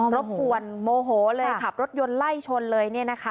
รบกวนโมโหเลยขับรถยนต์ไล่ชนเลย